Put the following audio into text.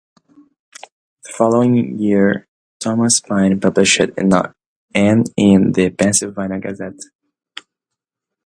The following year, Thomas Paine published an in the "Pennsylvania Gazette".